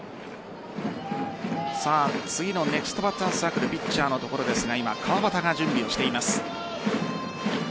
次のネクストバッターズサークルピッチャーのところですが川端が準備をしています。